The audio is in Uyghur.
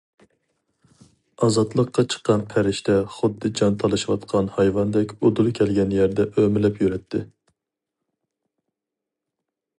ئازادلىققا چىققان پەرىشتە خۇددى جان تالىشىۋاتقان ھايۋاندەك ئۇدۇل كەلگەن يەردە ئۆمىلەپ يۈرەتتى.